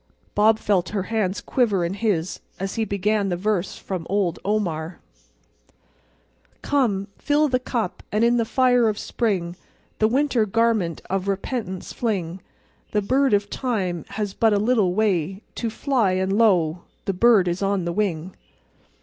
Bob felt her hands quiver in his as he began the verse from old Omar: "Come, fill the Cup, and in the Fire of Spring The Winter Garment of Repentance fling: The Bird of Time has but a little way To fly—and Lo! the Bird is on the Wing!"